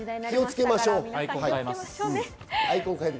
気をつけましょう。